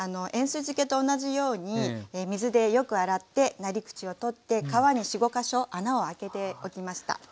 塩水漬けと同じように水でよく洗ってなり口を取って皮に４５か所穴をあけておきました。